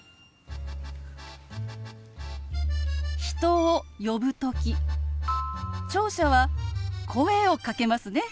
人を呼ぶ時聴者は声をかけますね。